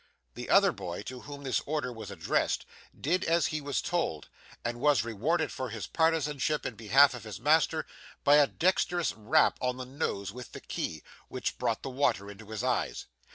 The other boy, to whom this order was addressed, did as he was told, and was rewarded for his partizanship in behalf of his master, by a dexterous rap on the nose with the key, which brought the water into his eyes.